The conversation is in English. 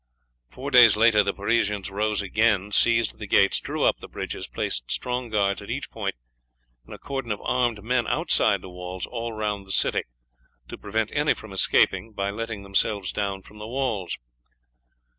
Four days later the Parisians rose again, seized the gates, drew up the bridges, placed strong guards at each point, and a cordon of armed men outside the walls all round the city, to prevent any from escaping by letting themselves down from the walls.